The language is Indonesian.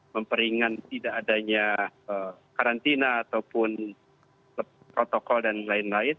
memperingan tidak adanya karantina ataupun protokol dan lain lain